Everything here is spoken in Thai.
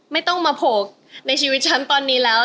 ไม่ต้องมาโผล่ในชีวิตฉันตอนนี้แล้ว